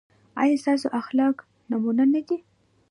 ایا ستاسو اخلاق نمونه نه دي؟